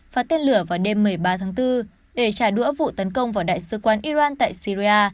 và tên lửa vào đêm một mươi ba tháng bốn để trả đũa vụ tấn công vào đại sứ quán iran tại syria